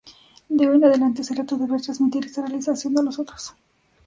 De hoy en adelante será tu deber transmitir esta realización a los otros!".